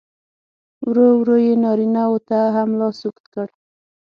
ورو ورو یې نارینه و ته هم لاس اوږد کړ.